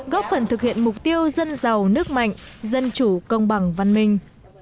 góp phần thực hiện mục tiêu dân giàu nước mạnh dân chủ công bằng văn minh